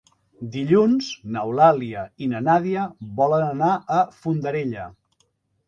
Dilluns n'Eulàlia i na Nàdia volen anar a Fondarella.